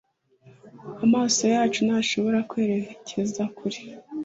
amaso yacu ntashobora kwerekeza kure